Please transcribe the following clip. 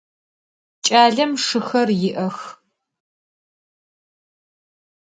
Ç'alem şşıxer yi'ex.